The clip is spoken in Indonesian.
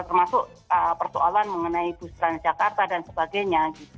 termasuk persoalan mengenai busuran jakarta dan sebagainya